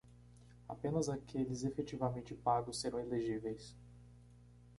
Apenas aqueles efetivamente pagos são elegíveis.